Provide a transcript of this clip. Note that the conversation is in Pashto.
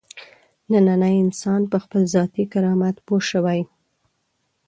نننی انسان په خپل ذاتي کرامت پوه شوی.